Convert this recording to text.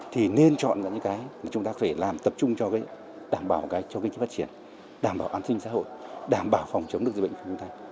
thì nên chọn những cái chúng ta phải làm tập trung cho cái đảm bảo cái cho kinh tế phát triển đảm bảo an sinh xã hội đảm bảo phòng chống được dịch bệnh